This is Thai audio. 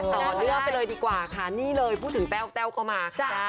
ต่อเนื่องไปเลยดีกว่าค่ะนี่เลยพูดถึงแต้วแต้วก็มาค่ะ